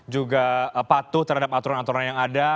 juga patuh terhadap aturan aturan yang ada